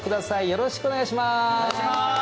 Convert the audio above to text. よろしくお願いします。